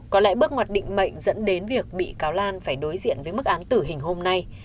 có lẽ bước ngoặt định mệnh dẫn đến việc bị cáo lan phải đối diện với mức án tử hình hôm nay